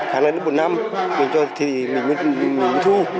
hàng lần một năm thì mình mới thu